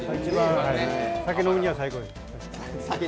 酒飲みには最高です。